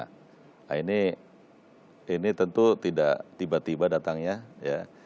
nah ini tentu tidak tiba tiba datangnya ya